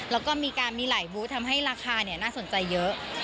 แล้วก็มีการมีหลายบูธทำให้ราคาน่าสนใจเยอะ